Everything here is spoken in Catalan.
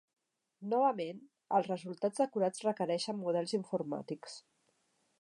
Novament, els resultats acurats requereixen models informàtics.